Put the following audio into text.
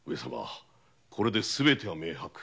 これですべては明白。